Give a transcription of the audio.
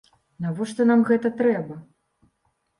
Навошта нам гэта трэба?